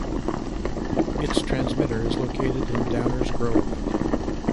Its transmitter is located in Downers Grove.